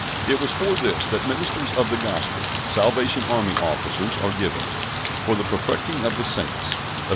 It was for this that ministers of the Gospel Salvation Army Officers are given, "for the perfecting of the saints" (Eph.